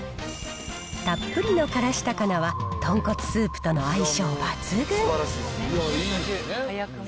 たっぷりの辛子高菜は豚骨スープとの相性抜群。